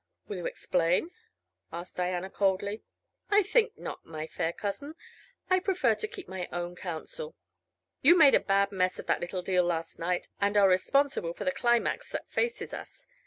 "Will you explain?" asked Diana, coldly. "I think not, my fair cousin. I prefer to keep my own counsel. You made a bad mess of that little deal last night, and are responsible for the climax that faces us.